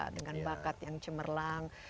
dengan bakat yang cemerlang